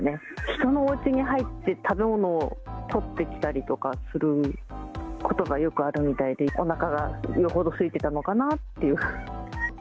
人のおうちに入って食べ物を取ってきたりとかすることがよくあるみたいで、おなかがよほどすいてたのかなっていう。